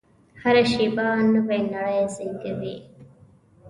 هره شېبه نوې نړۍ زېږوي.